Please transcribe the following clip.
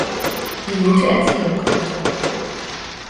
Minute erzielen konnte.